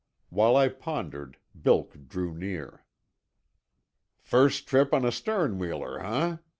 While I pondered Bilk drew near. "First trip on a sternwheeler, huh?"